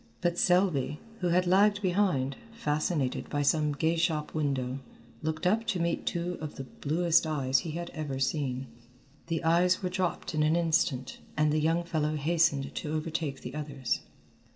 But Selby, who had lagged behind, fascinated by some gay shop window, looked up to meet two of the bluest eyes he had ever seen. The eyes were dropped in an instant, and the young fellow hastened to overtake the others.